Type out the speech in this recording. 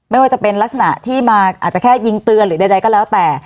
ไม่ว่าจะเป็นลักษณะที่มาอาจจะแค่ยิงเตือนหรือใดก็แล้วแต่